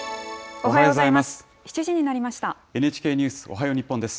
おはようございます。